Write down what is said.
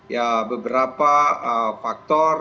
ya beberapa faktor